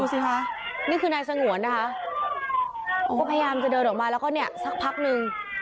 สิคะนี่คือนายสงวนนะคะก็พยายามจะเดินออกมาแล้วก็เนี่ยสักพักนึง